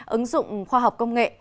ứng dụng khoa học công nghệ